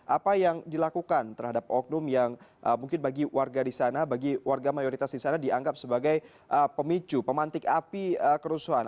apa yang dilakukan terhadap oknum yang mungkin bagi warga di sana bagi warga mayoritas di sana dianggap sebagai pemicu pemantik api kerusuhan